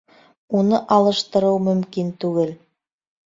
Уны алыштырыу мөмкин түгел.